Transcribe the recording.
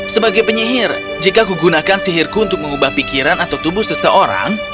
sebagai penyihir jika aku gunakan sihirku untuk mengubah pikiran atau tubuh seseorang